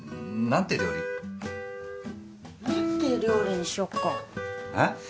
何て料理にしよっか。え！？